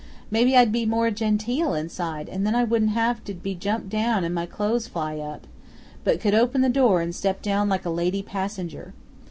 Maybe I'd be more genteel inside, and then I wouldn't have to be jumped down and my clothes fly up, but could open the door and step down like a lady passenger.